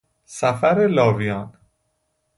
سفر لاویان